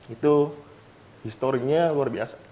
itu historinya luar biasa